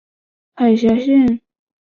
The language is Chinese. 海峡线。